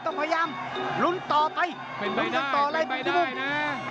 ต้องพยายามลุนต่อไปเป็นใบได้เป็นใบได้น่ะ